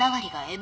Ｍ！